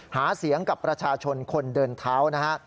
หาเสียงกับประชาชนคนเดินเท้านะฮะ